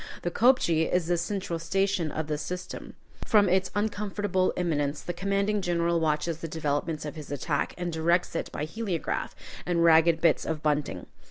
The kopje is the central station of the system. From its uncomfortable eminence the commanding general watches the developments of his attack, and directs it by heliograph and ragged bits of bunting.